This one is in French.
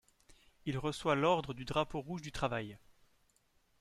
Il reçoit l'ordre du Drapeau rouge du Travail.